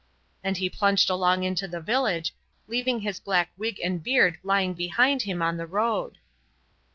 And he plunged along into the village, leaving his black wig and beard lying behind him on the road.